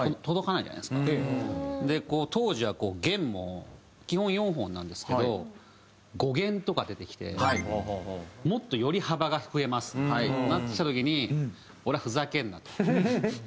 で当時はこう弦も基本４本なんですけど５弦とか出てきてもっとより幅が増えますみたいになってきた時に俺はふざけんなと。